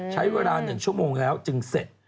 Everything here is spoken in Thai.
ใช้เวลา๑ชั่วโมงแล้วจึงเสร็จ